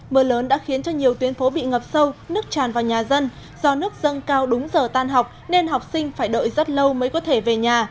mưa lớn đã khiến cho nhiều tuyến phố bị ngập sâu nước tràn vào nhà dân do nước dâng cao đúng giờ tan học nên học sinh phải đợi rất lâu mới có thể về nhà